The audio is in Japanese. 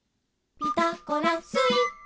「ピタゴラスイッチ」